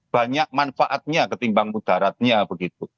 banyak manfaatnya ketimbang mudaratnya begitu